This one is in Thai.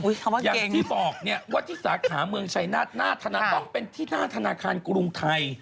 อย่างที่บอกที่สาขาเมืองชัยนาธนาธนาคารต้องเป็นที่นาธนาคารกรุงไทย